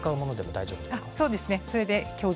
大丈夫です。